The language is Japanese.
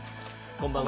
こんばんは。